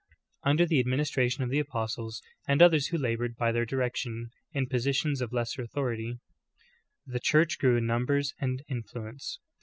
20. Under the administration of the apostles, and others who labored by their direction in positions of lesser author ity, the Church grew in numbers and influence.